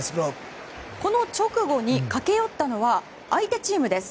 この直後に駆け寄ったのは相手チームです。